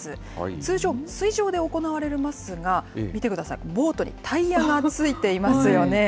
通常、水上で行われますが、見てください、ボートにタイヤがついていますよね。